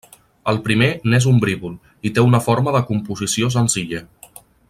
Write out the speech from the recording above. El primer n'és ombrívol, i té una forma de composició senzilla.